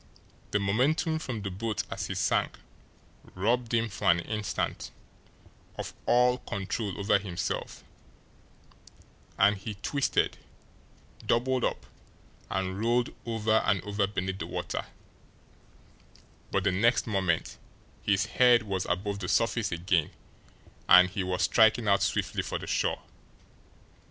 The momentum from the boat as he sank robbed him for an instant of all control over himself, and he twisted, doubled up, and rolled over and over beneath the water but the next moment his head was above the surface again, and he was striking out swiftly for the shore.